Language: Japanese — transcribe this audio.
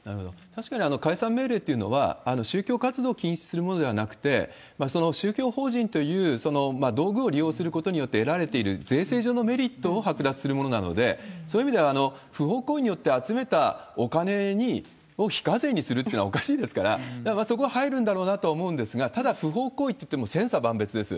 確かに解散命令というのは、宗教活動を禁止するものではなくて、宗教法人という道具を利用することによって得られている税制上のメリットを剥奪するものなので、そういう意味では、不法行為によって集めたお金を非課税にするっていうのはおかしいですから、そこは入るんだろうなと思うんですが、ただ、不法行為といっても千差万別です。